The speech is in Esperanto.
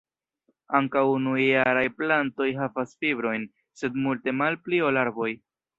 Ankaŭ unujaraj plantoj havas fibrojn, sed multe malpli ol arboj.